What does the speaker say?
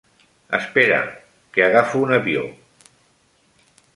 Espera, que agafo un avió.